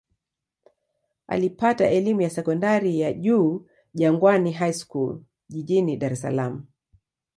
Alipata elimu ya sekondari ya juu Jangwani High School jijini Dar es Salaam.